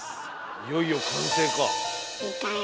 いよいよ完成か。